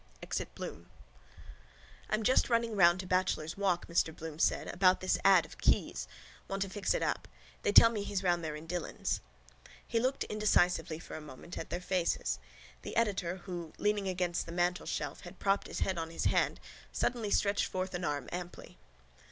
EXIT BLOOM —I'm just running round to Bachelor's walk, Mr Bloom said, about this ad of Keyes's. Want to fix it up. They tell me he's round there in Dillon's. He looked indecisively for a moment at their faces. The editor who, leaning against the mantelshelf, had propped his head on his hand, suddenly stretched forth an arm amply.